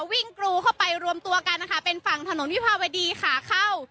กรูเข้าไปรวมตัวกันนะคะเป็นฝั่งถนนวิภาวดีขาเข้า